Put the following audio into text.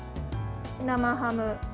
生ハム。